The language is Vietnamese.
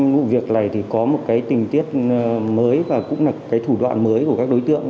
vụ việc này có một tình tiết mới và cũng là thủ đoạn mới của các đối tượng